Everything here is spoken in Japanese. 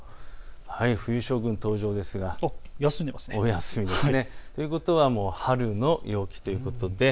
冬将軍登場ですがお休みです。ということは春の陽気ということに。